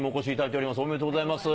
ありがとうございます。